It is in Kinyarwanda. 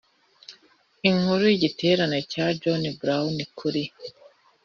inkuru yigitero cya john brown kuri harpers ferry